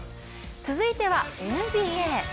続いてはＮＢＡ。